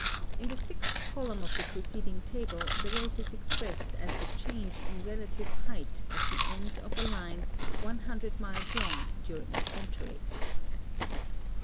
In the sixth column of the preceding table the rate is cxi>rest as the ciiange in relative height of the ends of a line 100 miles lon^ during a centurv.